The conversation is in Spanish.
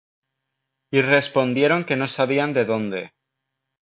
Y respondieron que no sabían de dónde.